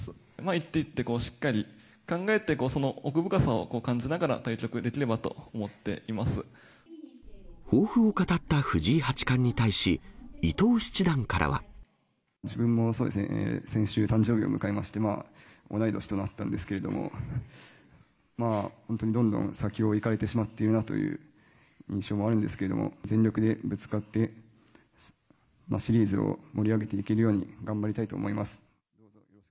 一手一手しっかり考えて、その奥深さを感じながら、抱負を語った藤井八冠に対し、自分もそうですね、先週、誕生日を迎えまして、同い年となったんですけれども、まあ本当にどんどん先を行かれてしまっているなという印象もあるんですけれども、全力でぶつかって、シリーズを盛り上げていけるように頑張りたいと思います。